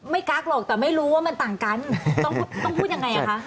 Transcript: กักหรอกแต่ไม่รู้ว่ามันต่างกันต้องพูดยังไงอ่ะคะ